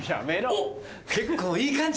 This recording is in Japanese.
おっ結構いい感じ。